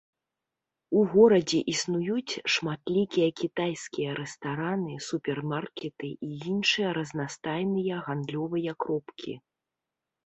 У горадзе існуюць шматлікія кітайскія рэстараны, супермаркеты і іншыя разнастайныя гандлёвыя кропкі.